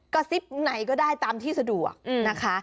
กระซิบไหนก็ได้ตามที่สะดวกนะคะ